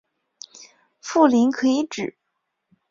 富临可以指